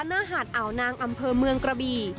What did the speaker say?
หน้าหาดอ่าวนางอำเภอเมืองกระบี่